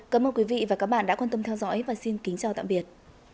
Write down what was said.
cảm ơn quý vị và các bạn đã quan tâm theo dõi và xin kính chào tạm biệt